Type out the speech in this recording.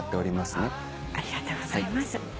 ありがとうございます。